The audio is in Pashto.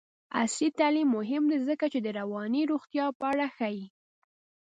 عصري تعلیم مهم دی ځکه چې د رواني روغتیا په اړه ښيي.